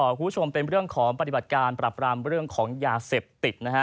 คุณผู้ชมเป็นเรื่องของปฏิบัติการปรับรามเรื่องของยาเสพติดนะฮะ